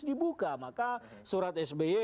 dibuka maka surat sby